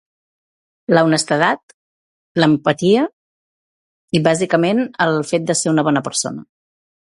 L'honestedat, l'empatia i, bàsicament, el fet de ser una bona persona.